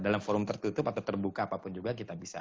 dalam forum tertutup atau terbuka apapun juga kita bisa